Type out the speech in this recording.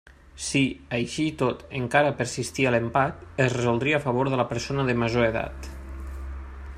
Si, així i tot, encara persistia l'empat, es resoldria a favor de la persona de major edat.